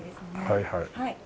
はいはい。